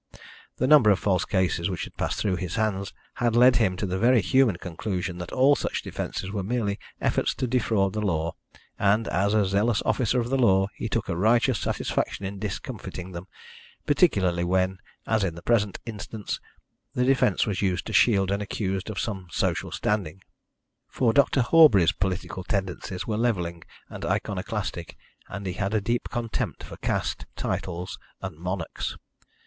The number of false cases which had passed through his hands had led him to the very human conclusion that all such defences were merely efforts to defraud the law, and, as a zealous officer of the law, he took a righteous satisfaction in discomfiting them, particularly when as in the present instance the defence was used to shield an accused of some social standing. For Dr. Horbury's political tendencies were levelling and iconoclastic, and he had a deep contempt for caste, titles, and monarchs.